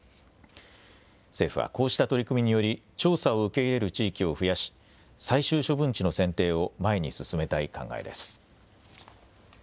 政府はこうした取り組みにより調査を受け入れる地域を増やし最終処分地の選定を前に進めたい考えです。